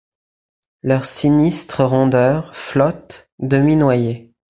Leurs-sinistres rondeurs flottent, demi-noyées ;